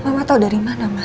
mama tau dari mana mah